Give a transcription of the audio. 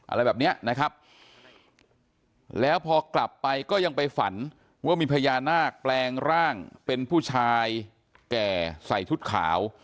อะไรแบบเนี้ยนะครับแล้วพอกลับไปก็ยังไปฝันว่ามีพญานาคแปลงร่างเป็นผู้ชายแก่ใส่ชุดขาว